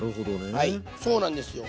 はいそうなんですよ。